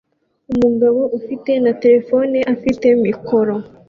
Umugabo ufite na terefone afite mikoro